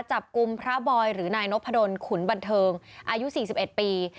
จับกลุ่มพระบอยหรือนายนพดลขุนบันเทิงอายุ๔๑ปี